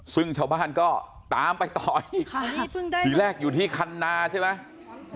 ซึ่งชาวบ้านก็ตามไปต่ออีกทีแรกอยู่ที่คันนาใช่ไหม